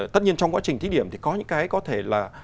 tất nhiên trong quá trình thí điểm thì có những cái có thể là